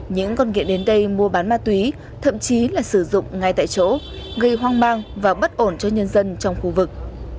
những con nghiện đến đây mua bán ma túy thậm chí là sử dụng ngay tại chỗ gây hoang mang và bất ổn cho nhân dân trong khu vực